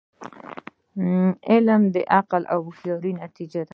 علم د عقل او هوښیاری نتیجه ده.